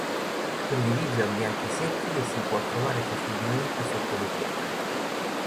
Predilige ambienti secchi e si può trovare facilmente sotto le pietre.